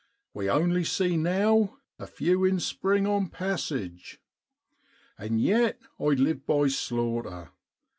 We only see now a few in spring on passage. i And yet I live by slaughter